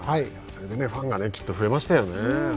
それでファンがきっと増えましたよね。